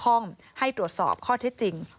ทางศูนย์นำรงธรรมจังหวัดชาติเชิงเศร้า